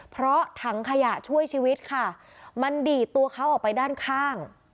เพราะถังขยะช่วยชีวิตค่ะมันดีดตัวเขาออกไปด้านข้าง